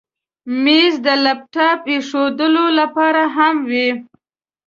مېز د لپټاپ ایښودلو لپاره هم وي.